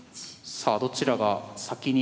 さあどちらが先に。